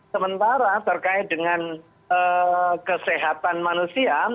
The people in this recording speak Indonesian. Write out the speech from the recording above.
sementara terkait dengan kesehatan manusia